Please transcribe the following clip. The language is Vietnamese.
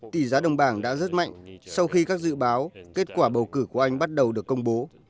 tỷ giá đồng bảng đã rất mạnh sau khi các dự báo kết quả bầu cử của anh bắt đầu được công bố